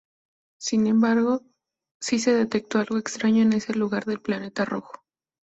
Sin embargo, sí se detectó algo extraño en ese lugar del planeta rojo.